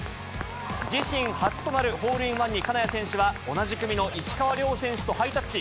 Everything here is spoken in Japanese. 自身初となるホールインワンに、金谷選手は同じ組の石川遼選手とハイタッチ。